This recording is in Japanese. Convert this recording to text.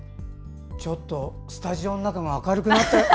ちょっとスタジオの中が明るくなった。